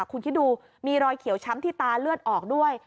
คุณคิดดูมีรอยเขียวช้ำที่ตาเลือดออกด้วย